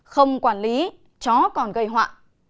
không quản lý chó còn gây họa